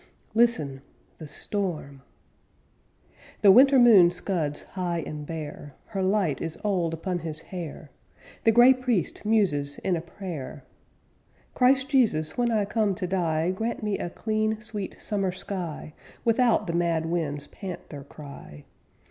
Listen the storm! The winter moon scuds high and bare; Her light is old upon his hair; The gray priest muses in a prayer: "Christ Jesus, when I come to die Grant me a clean, sweet, summer sky, Without the mad wind's panther cry.